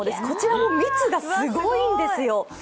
こちらも蜜がすごいんですよ。